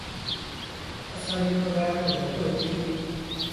اسآݩ ريٚ پگھآر با گھٽ هوئيتيٚ۔